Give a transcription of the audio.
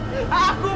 bisa lagi jerk